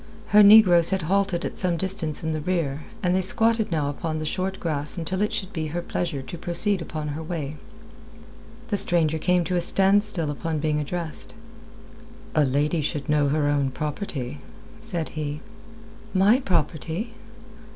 Her negroes had halted at some distance in the rear, and they squatted now upon the short grass until it should be her pleasure to proceed upon her way. The stranger came to a standstill upon being addressed. "A lady should know her own property," said he. "My property?"